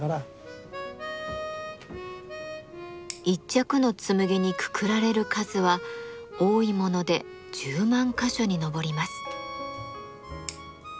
一着の紬にくくられる数は多いもので１０万か所に上ります。